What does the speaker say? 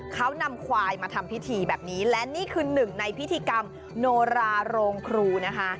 เขานำควายมาทำพิธีแบบนี้และนี่คือหนึ่งในพิธีกรรมโนราโรงครูนะคะ